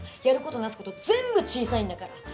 やることなすこと全部小さいんだから。